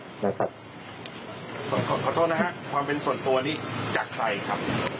ขอโทษนะฮะความเป็นส่วนตัวนี้จากใครครับ